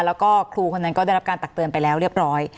แล้วก็ครูคนนั้นก็ได้รับการตักเตือนไปแล้วเรียบร้อย